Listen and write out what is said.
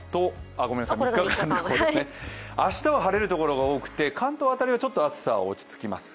明日晴れるところが多くて関東は暑さは落ち着きます。